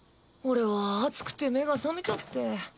俺は暑くて目が覚めちゃって。